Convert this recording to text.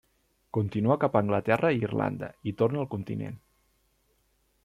Continua cap a Anglaterra i Irlanda i torna al continent.